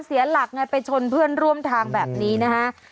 เสียหลักไงไปชนเพื่อนร่วมทางแบบนี้นะฮะ